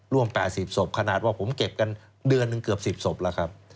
ร่วม๘๐ศพขนาดว่าผมเก็บกันเดือนหนึ่งเกือบ๑๐ศพแล้วครับ